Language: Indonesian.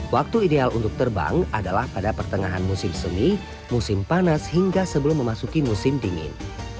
waktu ideal untuk terbang adalah pada pertengahan musim semi musim panas hingga sebelum memasuki musim dingin